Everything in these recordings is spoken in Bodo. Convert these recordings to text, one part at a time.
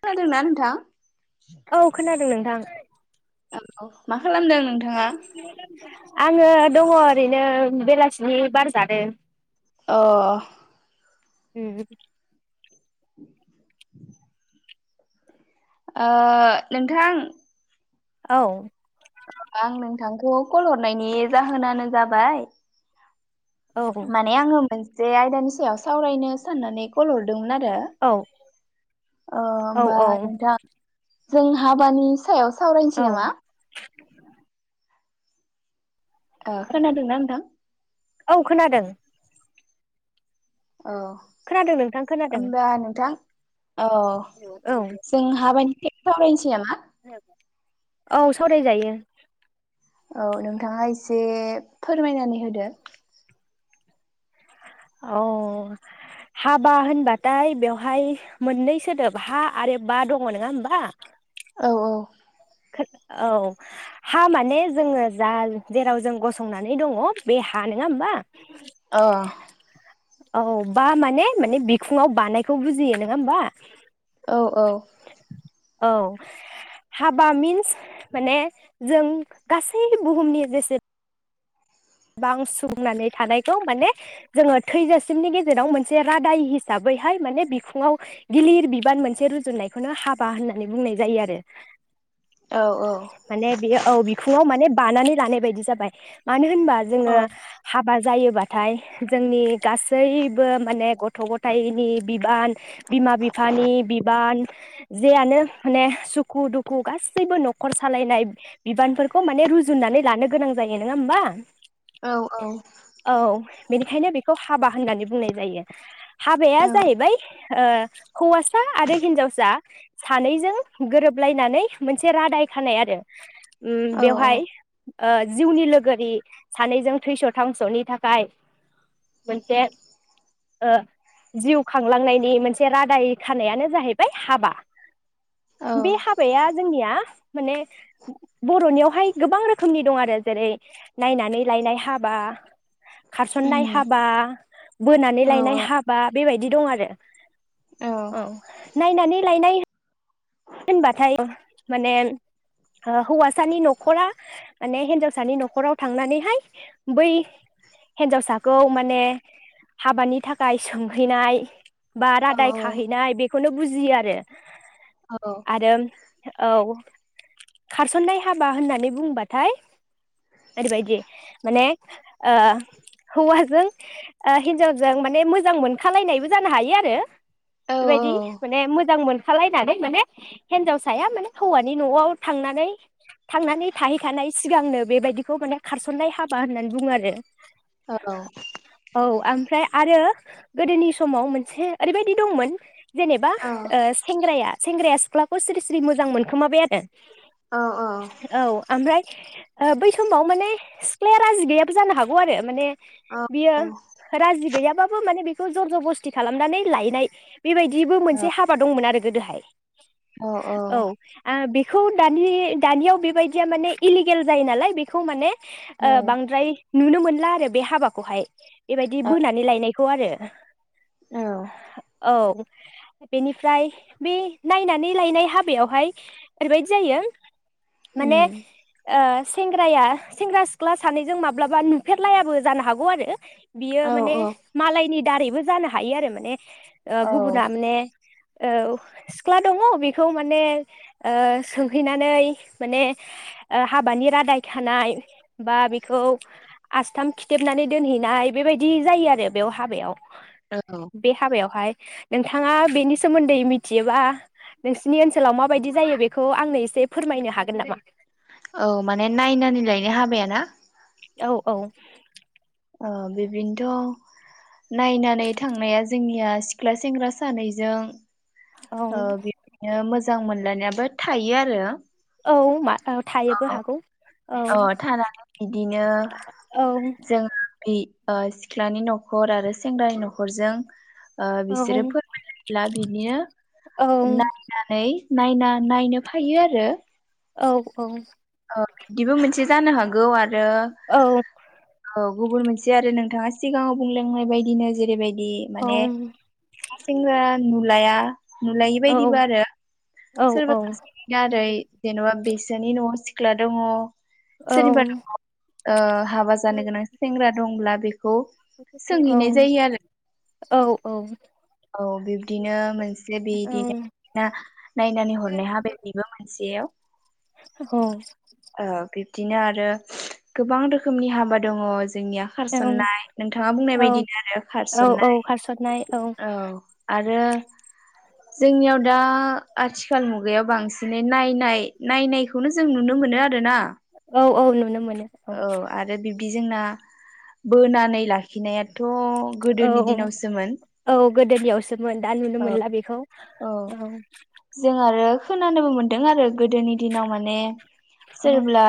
खोनादोना नोथां थां औ औ मा खालामदों नोंथाङा आङो दङ ओरैनो बेलासिनि बार जादों अ आरो [unintelligible] ओ नोंथां औ आं नोंथांखौ कल हरनायनि जाहोनानो जाबाय औ माने आङो जे आयदानि सायाव सावरायनो साननानै कल हरदोंमोन आरो औ दे ओ औ होमबा औ नोंथां जों हाबानि सायाव सावरायनोसै औ नामा? खोनादोंना नोंथां? औ खोनादों औ खोनादों नोंथां खोनादों होनबा नोंथां औ औ जों हाबानि सावरायसै नामा? औ सावरायजायो। औ नोंथाङा एसे फोरमायनानै होदो अ हाबा होनबाथाय बेवहाय मोननै सोदोब हा आरो बा दङ नङा होमबा? औ औ औ हा माने जोङो जाय जेराव जों गसंनानै दङ बे हा नङा होमबा? अ औ बा माने माने बिखुङाव बानायखौ बुजियो नङा होमबा? अ औ औ औ हाबा मिन्स माने जों गासै बुहुमनि जेसे बां सुबुंनानै थानायखौ माने जोङो थैजासिमनि गेजेराव मोनसे रादाय हिसाबैहाय माने बिखुङाव गिलिर बिबान मोनसे रुजुनायखौनो हाबा होननानै बुंनाय जायो आरो। औ औ माने बे औ बिखुङाव माने बानानै लानाय बायदि जाबाय मानो होनबा जों अ हाब बा जायोबाथाय जोंनि गासैबो माने गथ गथायाइनि बिबान बिमा बिफानि बिबान जेयानो माने सुखु दुखु गासैबो नखर सालायनाय बिबानफोरखौ माने रुजुननानै लानो गोनां जायो नङा होमबा? औ औ औ बेनिखायनो बेखौ हाबा होननानै बुंनाय जायो हाबाया औ जाहैबाय हौवासा आरो हिनजावसा सानैजों गोरोबलायनानै मोनसे रादाय खानाय आरो। उम औ बेवहाय ओ जिउनि लोगोरि सानैजों थैस थांसनि थाखाय मोनसे ओ जिउ खांलांनायनि मोनसे रादाय खानायानो जाहैबाय हाबा। औ बे हाबाया जोंनिया माने बर'नियावहाय गोबां रोखोमनि दं आरो जेरै नायनानै लायनाय हाबा। खारसननाय हाबा, बोनानै औ लायनाय हाबा। बेबायदि दं आरो औ नायनानै लायनाय होनबाथाय माने हौवासानि नखरा माने हिनजावसानि नखराव थांनानैहाय बै हिन्जावसाखौ माने हाबानि थाखाय सोंहैनाय। बा रादाय खाहैनाय बेखौ। बेखौनो बुजियो आरो। आरो औ खारसन्नाय हाबा होननानै बुंबाथाय ओरैबायदि माने ओ हौवाजों ओ हिनजावजों माने मोजां मोनखालायनायबो जानो हायो आरो। बेबायदि माने मोजां मोन खालायनानै माने। हिनजावसाया माने हौवानि नआव थांनानै थांनानै थाहैखानाय सिगांनो बेबायदिखौ माने खारसननाय हाबा होननानै बुङो आरो। औ औ आमफ्राय आरो। गोदोनि समाव मोनसे ओरैबायदि दंमोन जेनेबा ओ सेंग्राया। सेंग्राया सिख्लाखौ सिरि सिरि मोजां मोनखोमाबाय आरो।। औ ओमफ्राय ओ बै समाव माने सिख्लाया राजि गैयाबो जानो हागौ आरो माने। बियो राजि गैया। माने बेखौ जर जबस्थि खालामनानै लायनाय। बेबायदिबो मोनसे हाबा दंमोन आरो। गोदोहाय। औ आरो बे बेखौ दानि दानियाव बेबायदिया माने इलिगेल जायो नालाय बेखौ माने। ओ बांद्राय नुनो मोनला आरो बे हाबाखौहाय। बेबायदि बोनानै लायनायखौ आरो। [inaudible] औ औ बेनिफ्राय बे नायनानै लायनाय हाबायावहाय ओरैबायदि जायो। माने ओ सेंग्राया सेंग्रा सिख्ला सानैजों माब्लाबा नुफेरलायाबो जानो हागौ आरो। बियो माने औ मालायनि दारैबो जानो हायो आरो माने। ओ औ औ गुबुना माने औ सिख्ला दङ बेखौ माने ओ सोंहैनानै माने ओ हाबानि रादाय खानाय बा बेखौ आसथाम खिथेबनानै दोनहैनाय बेबायदि जायो आरो बेयाव हाबायाव। बे हाबायावहाय। नोंथाङा बेनि सोमोन्दै मिथियोबा नोंसिनि ओनसोलाव माबायदि जायो बेखौ आंनो एसे फोरमायनो हागोन नामा। औ माने नायनानै लायनो हाबायाना औ औ ओ बिदिनोथ' नायनानै थांनाया जोंनिया सिख्ला सेंग्रा सानैजों ओ औ बिदिनो मोजां मोजां मोनलायनायाबो थायो आरो औ मा थायोबो हागौ औ अ थानानै बिदिनो औ जोंहा बे ओ सिख्लानि न'खर आरो सेंग्रानि न'खरजों ओ औ बिसोरो फोरमायोब्ला बिनिनो औ नायनानै नायना नायनो फायो आरो औ औ औ बिदिबो मोनसे जानो हागौ आरो औ आरो औ गुबुन मोनसे आरो नोंथाङा सिगाङाव बुंलांनाय बायदिनो जेरैबायद दि माने सिख्ला सेग्रा नुलाया नुलायि बायदिबो आरो सोरबा औ औ सासेनि दारै जेन'बा बेसोरनि न' सिख्ला दङ। सोरनिबा नख ओ हाबा जानो गोनां सेंग्रा दंब्ला बेख खौ सोंहैनाय जायो आरो औ औ औ बिब्दिनो मोनसे बिदिनो नायनानै हरनाय हाबाय बेबो मोनसेयाव औ दिनो आरो गोबां रोखोमनि हाबा दङ। जोंनिया औ खारसन्नाय नोंथाङा बुंनाय औ बायदिनो आरो औ खारसन्नाय। औ खारसननाय औ आरो जोंनियाव दा आथिखाल मुगायाव बांसिनै नायनाय नायनायखौनो जों नुनो मोनो आरोना? औ औ नुनो मोन औ आरो बिब बिजोंना बोनानै लाखिनायाव थ गोदोनि दिनावसोमोन। गोदोनियावसो सोमोन दा नुनो औ मोनला बेखौ औ जों आरो खोनानोबो मोनदों आरो गोदोनि दिनाव माने सोरब्ला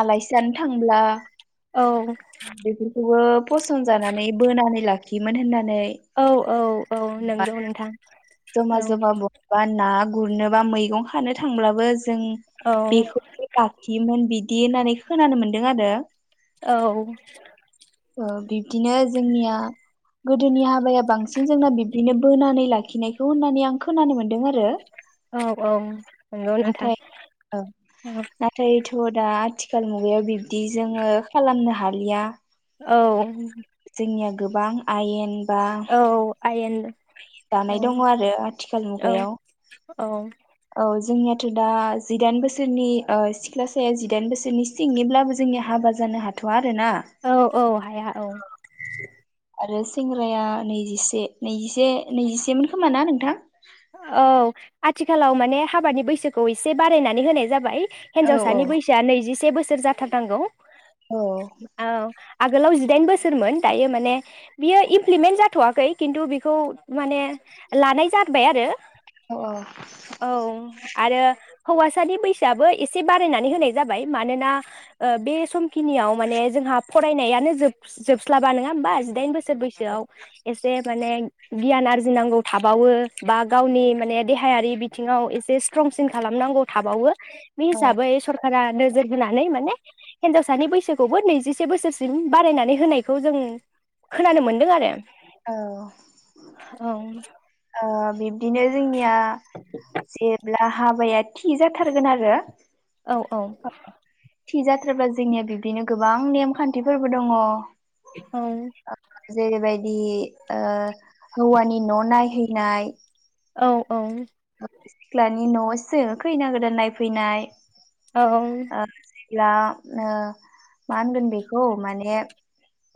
आलासि जानो थां ब्ला औ बेफोरखौबो फसन जानानै बोनानै लाखियोमोन होनना औ औ औ नंगौ नोंथां। ज'मा औ ज'मा महाबा ना गुरनो बा मैगं खानो थांब्लाबो जों औ बेखौबो लाखियोमोन बि दि होननानै खोनानो मोन्दों आरो। औ ओ बिब्दिनो जोंनिया गोदोनि हाबाया बांसिन जोंना बिब्दिनो बोनानै लाखिनाय खौ होननानै आं खोनानो मोन्दों आरो। औ औ नंगौ नोंथां नाथाय ओ नाथायथ' दा आथि खाल मुगायाव बिब्दि जोङो खालामनो हालिया। औ जोंनिया गोबां आयेन बा औ आयेन औ दानाय दङ औ आरो आथिखाल मुगायाव औ औ जोंनियाथ' दा जिदाइन बोसोरनि ओ सिख्लासाया जिदाइन बोसोरनि सिंनिब्लाबो जोंनिया हाबा जानो हाथ'आ औ औ हाया औ आरो सेंग्राया नैजिसे नैजिसे नैजिसेमोन खोमा ना नोंथां? औ आथिखालाव माने हाबानि बैसोखौ एसे बारायनानै होनाय जाबाय। औ हिनजावसानि बैसोआ नैजिसे बो सोर जाथारनांगौ औ औ आगोलाव जिदाइन बोसोरमोन दायो माने बियो इमप्लिमेन्ट जाथ'वाखै खिन्थु बेखौ माने लानाय जा बाय आरो औ आरो हौवासानि बैसाआबो एसे बारायनानै होनाय जाबाय मानोना ओ बे समखिनियाव माने जोंहा फरायनायानो जोब जोबस्लाबा नङा होमबा जिदाइन बो सोर बैसोआव एसे माने गियान आरजिनांगौ थाबावो बा गावनि माने देहायारि बिथिङाव एसे स्ट्रंसिन खालामनांगौ थाबावो बे हिसाबै सरखारा नोजोर होनोनानै माने हिनजावसानि बैसोखौबो नैजिसे बोसोरसिम बारायनानै होनायखौ जों खोनानो मोनदों आरो। औ औ। ओ बि दिनो जोंनिया जेब्ला हाबाया थि जाथारगोन आरो औ औ। थि जाथाराब्ला जोंनिया बिब्दिनो गोबां नेमखान्थिफोरबो दङ। औ जेरैबायदि हौवानि न' नाय हैनाय औ औ। सिख्लानि न'आवसो खैना गोदान नायफैनाय। औ। अब्ला मा होनगोन बेखौ माने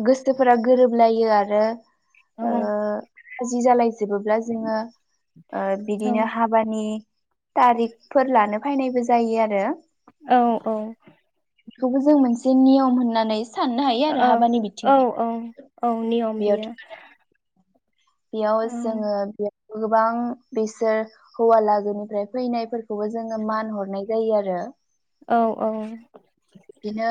गोसोफोरा गोरोबलायो आरो। औ आ जि जालाय जोबोब्ला जोङो औ बिदिनो हाबानि तारिकफोर लानो फायनायबो जायो आरो औ औ। बेखौबो जों मोनसे नियम होननानै साननो हायो आरो औ हाबानि बिथिं औ औ औ नियम बियो। बेयाव बेयाव औ जोङो बे गोबां बिसोर हौवा लागोनिफ्राय फैनायफोरखौबो जोङो मान हरनाय जायो आरो औ औ। बिदिनो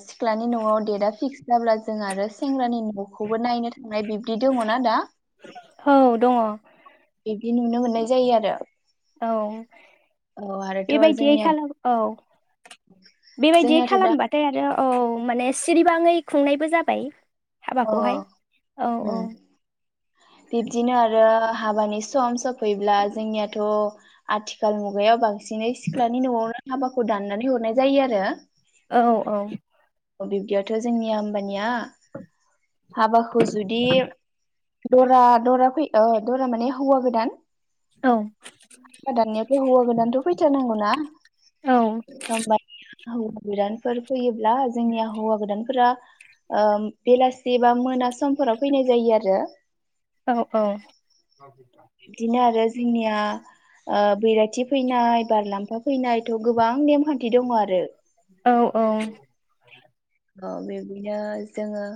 सिख्लानि न'आव डेटआ फिक्स जाब्ला जों आरो सेंग्रानि न'खौबो नायनो थांनाय बिब्दि दङना दा? औ दङ। बिब्दि नुनो मोननाय जायो आरो औ। औ आरोथ' बेबायदियै जोंनिया खालाम औ बेबायदियै जोंनियाथ' दा खालामबाथाय आरो औ माने सिरिबाङै खुंनायबो जाबाय। अ हाबाखौहाय औ औ बिब्दिनो आरो हाबानि सम सफैब्ला जोंनियाथ' आथिखाल मुगायाव बांसिन दिनै सिख्लानि न'आवनो हाबाखौ दाननानै हरनाय जायो आरो। औ औ बिब्दियावथ' जोंनि आमबानिया हाबाखौ जुदि दरा दरा फै ओ दरा माने हौवा गोदान औ दानियाथ' हौवा गोदानथ' फैथारनांगौना औ होमबानिया होवा गोदानफोर फैयोब्ला जोंनि हवा गोदानफोरा ओ बेलासि बा मोना सम औ औ बिदिनो आरो जोंनिया ओ बैराथि फैनाय बारलाम्फा फैनायथ' गोबां नेम खान्थि दङ आरो औ औ औ बिदिनो जोङो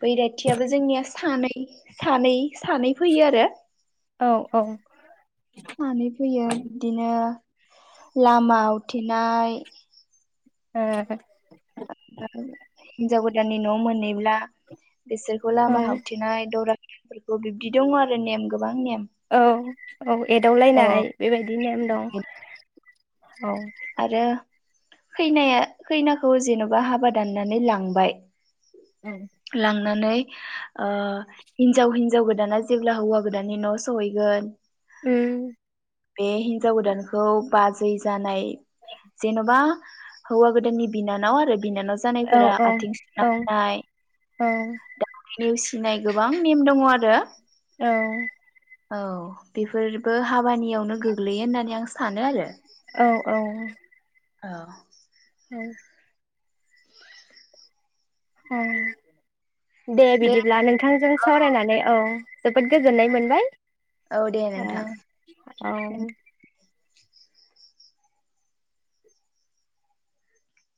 बैराथियाबो जोंनिया सानै सानै सानै फैयो आरो। औ औ। सानै फैयो बिब्दिनो लामा उथिनाय [unintelligible] हिनजाव गोदाननि न' मोनैब्ला बिसोरखौ औ लामा हावथिनाय दरा बिब्दि दङ आरो नेम गोबां नेम औ औ औ एदावलायनाय बेबायदि नेम दं। औ आरो खैनाया खैना खौ जेन'बा हाबा दाननानै लांबाय औ। नानै ओ हिनजाव हिनजाव गोदाना जेब्ला हौवा गोदाननि न' सहैगोन उम। बे हिनजाव गोदानखौ बाजै जानाय जेन'बा हौवा गोदाननि बिनानाव आरो बिनानाव औ जानायफोरा औ आथिं औ सुना होनाय। औ। नेवसिनाय गोबां नेम दङ आरो। औ। औ बेफोरबो हाबा नियावनो गोग्लैयो होननानै आं सा सानो आरो। औ औ। औ। औ। औ। दे बिदिब्ला नोंथांजों औ सावरायनानै औ जोबोद गोजोननाय मोनबाय। औ दे ओ नोंथां औ।